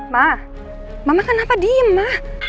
ma mama kenapa diem ma